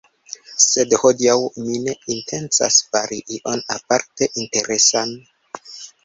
Sed, hodiaŭ mi ne intencas fari ion aparte interesan